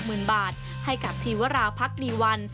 หมื่นบาทให้กับธีวราพักดีวัน